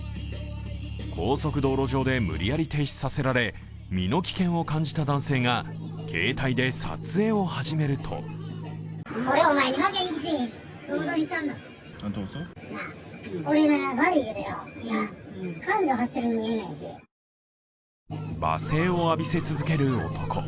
高速道路上で無理やり停止させられ身の危険を感じた男性が携帯で撮影を始めると罵声を浴びせ続ける男。